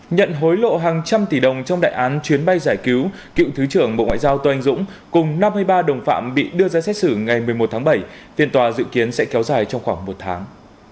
nhận hối lộ hàng trăm tỷ đồng trong đại án chuyến bay giải cứu cựu thứ trưởng bộ ngoại giao tôa anh dũng cùng năm mươi ba đồng phạm bị đưa ra xét xử ngày một mươi một tháng bảy phiên tòa dự kiến sẽ kéo dài trong khoảng một tháng